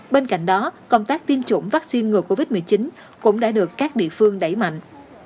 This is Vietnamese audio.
bên cạnh đó công tác tiêm chủng vaccine ngừa covid một mươi chín cũng đã được các địa phương đẩy mạnh